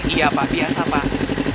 iya pak biasa pak